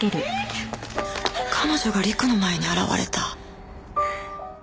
彼女が陸の前に現れた。